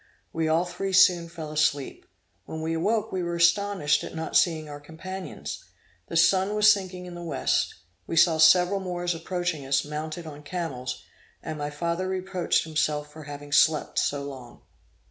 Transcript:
We all three soon fell asleep. When we awoke we were astonished at not seeing our companions. The sun was sinking in the west. We saw several Moors approaching us, mounted on camels; and my father reproached himself for having slept so long.